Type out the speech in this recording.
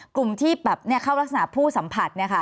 กลุ่มที่เข้ารักษณะผู้สัมผัส